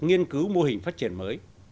nghiên cứu mô hình phát triển mới